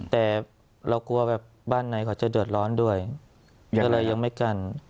แต่เรากลัวแบบบ้านในเขาจะเดือดร้อนด้วยก็เลยยังไม่กั้น